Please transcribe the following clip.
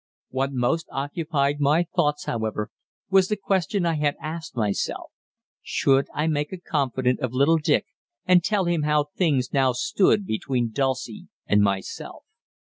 What most occupied my thoughts, however, was the question I had asked myself should I make a confidant of little Dick and tell him how things now stood between Dulcie and myself?